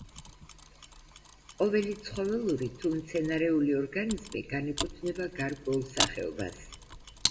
ყოველი ცხოველური, თუ მცენარეული ორგანიზმი განეკუთვნება გარკვეულ სახეობას.